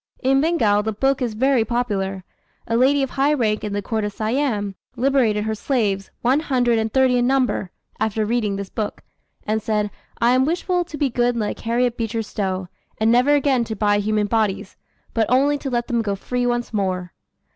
In Bengal the book is very popular. A lady of high rank in the court of Siam, liberated her slaves, one hundred and thirty in number, after reading this book, and said, "I am wishful to be good like Harriet Beecher Stowe, and never again to buy human bodies, but only to let them go free once more."